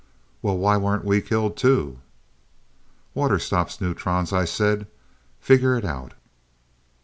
"Well, why weren't we killed too?" "'Water stops neutrons,' I said. Figure it out."